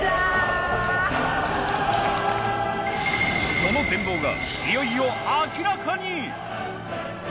その全貌がいよいよ明らかに！